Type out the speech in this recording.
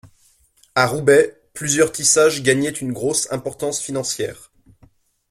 A Roubaix, plusieurs tissages gagnaient une grosse importance financière.